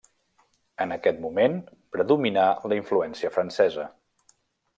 En aquest moment predominà la influència francesa.